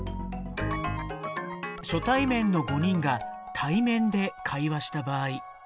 初対面の５人が対面で会話した場合。